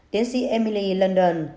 tiến sĩ emily london